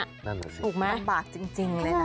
นั่นเหรอสิภาพบากจริงเลยนะ